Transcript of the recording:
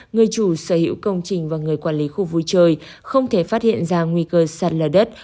người chủ sở hữu công trình và người quản lý khu vui chơi không thể phát hiện ra nguy cơ sạt lở đất